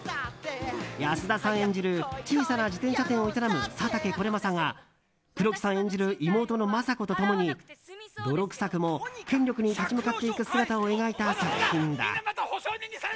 安田さん演じる小さな自転車店を営む佐竹是政が黒木さん演じる妹の政子と共に泥臭くも権力に立ち向かっていく姿を描いた作品だ。